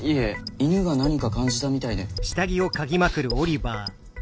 犬が何か感じたみたいで。